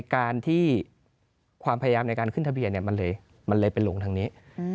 การที่ความพยายามในการขึ้นทะเบียนมันเลยไปหลงทางนี้